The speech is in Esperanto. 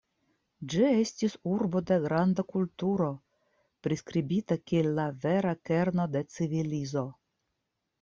Ĝi estis urbo de granda kulturo, priskribita kiel la vera kerno de civilizo.